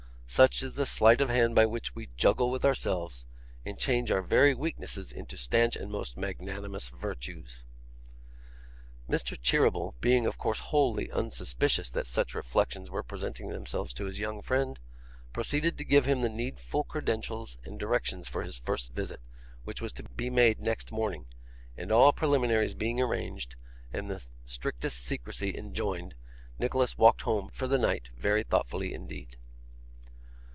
Such is the sleight of hand by which we juggle with ourselves, and change our very weaknesses into stanch and most magnanimous virtues! Mr. Cheeryble, being of course wholly unsuspicious that such reflections were presenting themselves to his young friend, proceeded to give him the needful credentials and directions for his first visit, which was to be made next morning; and all preliminaries being arranged, and the strictest secrecy enjoined, Nicholas walked home for the night very thoughtfully indeed.